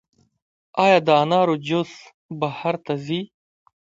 آیا د انارو جوس بهر ته ځي؟